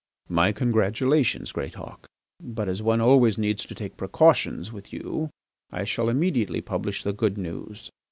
"My congratulations, Greatauk. But as one always needs to take precautions with you I shall immediately publish the good news.